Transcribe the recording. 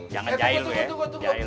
jangan jahil ya jahil